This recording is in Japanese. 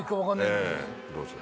どうですか？